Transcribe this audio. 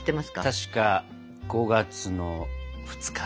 確か５月の２日。